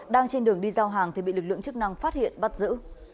đang trên đường đi giao hàng thì bị lực lượng chức năng phát hiện bắt giữ